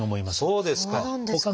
そうですか！